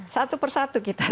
satu persatu kita